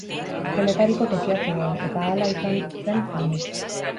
Denetariko tokia zegoen, eta hala izan zen zinez.